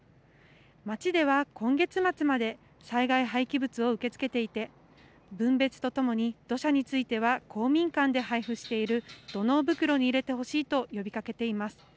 町では今月末まで災害廃棄物を受け付けていて分別とともに土砂については公民館で配布している土のう袋に入れてほしいと呼びかけています。